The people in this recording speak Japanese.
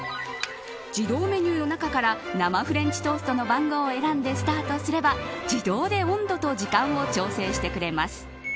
自動メニューの中から生フレンチトーストの番号を選んでスタートすれば自動で温度と時間を調整してくれます。